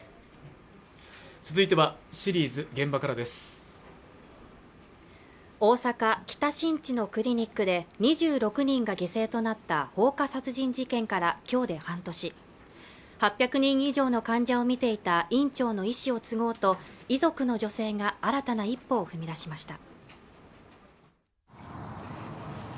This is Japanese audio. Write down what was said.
続いてはシリーズ「現場から」です大阪・北新地のクリニックで２６人が犠牲となった放火殺人事件からきょうで半年８００人以上の患者を診ていた院長の遺志を継ごうと遺族の女性が新たな一歩を踏み出しました